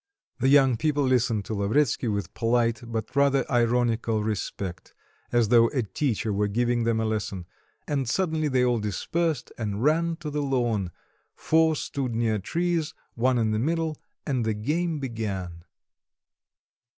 The young people listened to Lavretsky with polite but rather ironical respect as though a teacher were giving them a lesson and suddenly they all dispersed, and ran to the lawn; four stood near trees, one in the middle, and the game began.